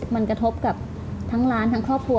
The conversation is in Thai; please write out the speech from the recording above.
มันกระทบกับทั้งร้านทั้งครอบครัว